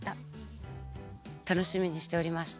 楽しみにしておりました。